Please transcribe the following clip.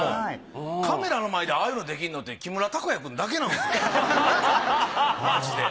カメラの前でああいうのできんのって木村拓哉くんだけなんですよマジで。